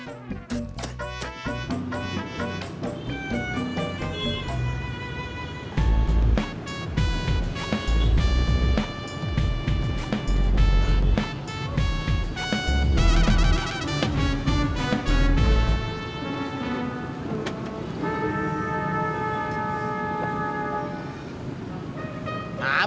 tunggu gua sakit